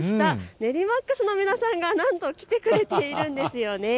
ネリマックスの皆さんが来てくれているんです。